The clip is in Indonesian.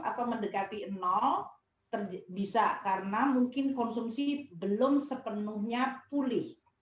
atau mendekati nol bisa karena mungkin konsumsi belum sepenuhnya pulih